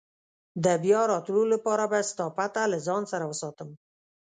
د بیا راتلو لپاره به ستا پته له ځان سره وساتم.